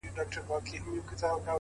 وخت د هر چا لپاره مساوي دی،